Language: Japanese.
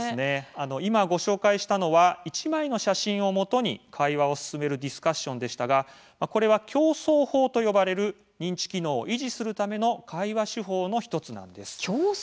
今ご紹介したのは１枚の写真を基に会話を進めるディスカッションでしたけれどもこれは「共想法」と呼ばれる認知機能を維持するための会話手法の１つなんです。